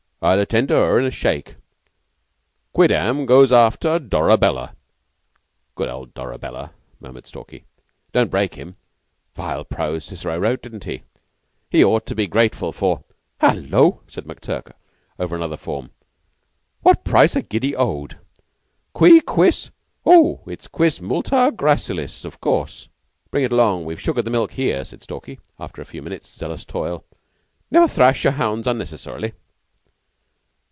"I'll attend to her in a shake. Quidnam goes after Dolabella." "Good old Dolabella," murmured Stalky. "Don't break him. Vile prose Cicero wrote, didn't he? He ought to be grateful for " "Hullo!" said McTurk, over another forme. "What price a giddy ode? Qui quis oh, it's Quis multa gracilis, o' course." "Bring it along. We've sugared the milk here," said Stalky, after a few minutes' zealous toil. "Never thrash your hounds unnecessarily."